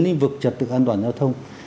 lĩnh vực trật tự an toàn giao thông